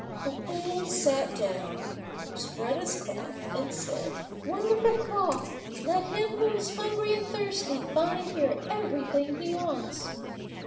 The fool sat down, spread his cloth, and said— "Wonderful cloth, let him who is hungry and thirsty find here everything he wants."